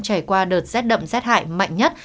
trải qua đợt z đậm z hại mạnh nhất